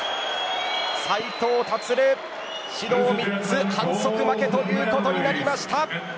斉藤立、指導３つ反則負けということになりました。